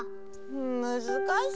むずかしいよ。